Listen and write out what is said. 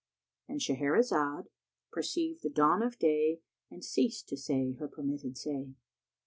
—And Shahrazad perceived the dawn of day and ceased to say her permitted say.